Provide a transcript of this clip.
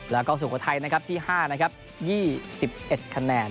แล้วก็สุขทัยนะครับที่ห้านะครับยี่สิบเอ็ดคะแนน